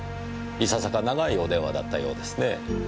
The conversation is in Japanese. いささか長いお電話だったようですねぇ。